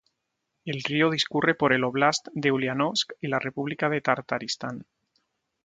El río discurre por el óblast de Uliánovsk y la república de Tartaristán.